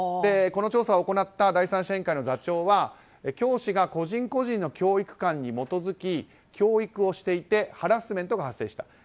この調査を行った第三者委員会の座長は教師が個人個人の教育観に基づき教育をしていてハラスメントが発生した。